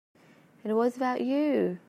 It was about you.